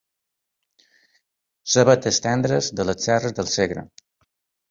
Cebetes tendres de les terres del Segre.